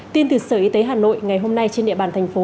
tin từ sở y tế hà nội ngày hôm nay trên địa bàn thành phố